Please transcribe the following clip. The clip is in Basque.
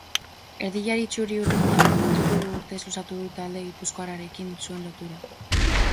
Erdilari txuri-urdinak hiru urtez luzatu du talde gipuzkoarrarekin zuen lotura.